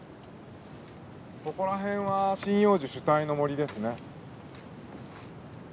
ここら辺は針葉樹主体の森ですね。